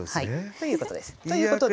はいということです。